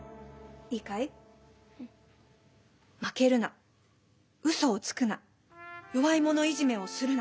負けるなうそをつくな弱い者いじめをするな。